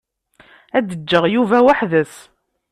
Ad d-ǧǧeɣ Yuba weḥd-s.